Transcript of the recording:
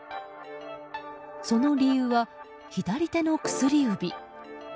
その理由は、左手の薬指。